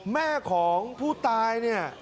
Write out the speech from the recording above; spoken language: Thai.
แม่ของผู้ตายเนี่ย